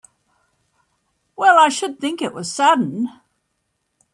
Well I should think it was sudden!